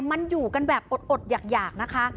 มันอยู่กันแบบอดอยากนะคะ